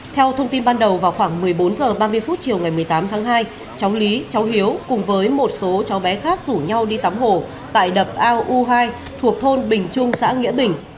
theo thông tin ban đầu vào khoảng một mươi bốn h ba mươi phút chiều ngày một mươi tám tháng hai cháu lý cháu hiếu cùng với một số cháu bé khác rủ nhau đi tắm hồ tại đập ao u hai thuộc thôn bình trung xã nghĩa bình